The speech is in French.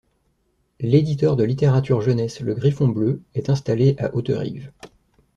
L'éditeur de littérature jeunesse Le Griffon Bleu est installé à Auterive.